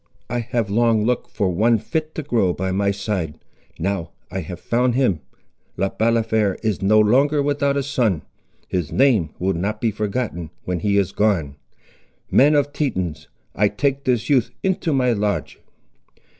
I have long looked for one fit to grow by my side. Now have I found him. Le Balafré is no longer without a son; his name will not be forgotten when he is gone! Men of the Tetons, I take this youth into my lodge."